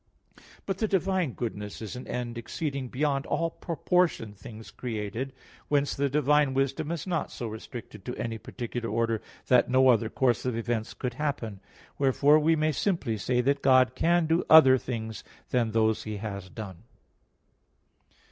But the divine goodness is an end exceeding beyond all proportion things created. Whence the divine wisdom is not so restricted to any particular order that no other course of events could happen. Wherefore we must simply say that God can do other things than those He has done.